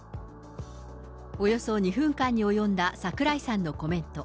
およそ２分間に及んだ櫻井さんのコメント。